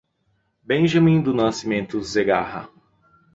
Benjamin do Nascimento Zegarra